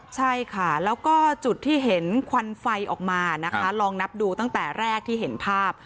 ใช่ค่ะแล้วก็จุดที่เห็นควันไฟออกมานะคะลองนับดูตั้งแต่แรกที่เห็นภาพ